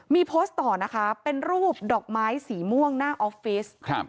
มีโพสต์ต่อนะคะเป็นรูปดอกไม้สีม่วงหน้าออฟฟิศครับ